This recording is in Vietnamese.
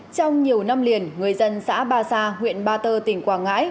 trong nhiều năm liền người dân xã ba sa huyện ba tơ tỉnh quảng ngãi